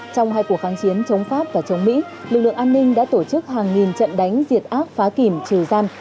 trong hai cuộc kháng chiến chống pháp và chống mỹ lực lượng an ninh đã tổ chức hàng nghìn trận đánh diệt ác phá kìm trừ giam